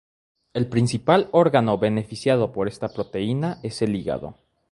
El principal órgano beneficiado por esta proteína, es el hígado.